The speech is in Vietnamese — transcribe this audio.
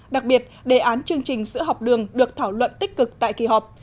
đặc biệt đề án chương trình sữa học đường được thảo luận tích cực tại kỳ họp